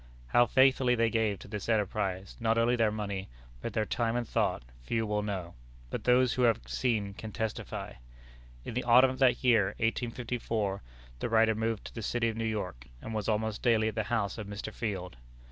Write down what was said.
How faithfully they gave to this enterprise, not only their money, but their time and thought, few will know; but those who have seen can testify. In the autumn of that year, 1854, the writer removed to the city of New York, and was almost daily at the house of Mr. Field.